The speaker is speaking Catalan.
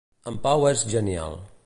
En Pau és genial.